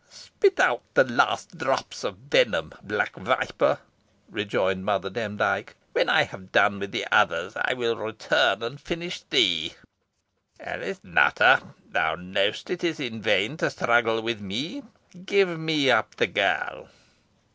"Spit out thy last drops of venom, black viper," rejoined Mother Demdike; "when I have done with the others, I will return and finish thee. Alice Nutter, thou knowest it is vain to struggle with me. Give me up the girl."